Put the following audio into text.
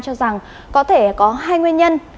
cho rằng có thể có hai nguyên nhân